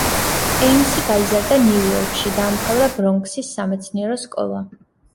ეიმსი გაიზარდა ნიუ იორკში, დაამთავრა ბრონქსის სამეცნიერო სკოლა.